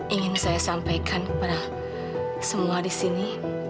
ingin saya sampaikan kepada semua di sini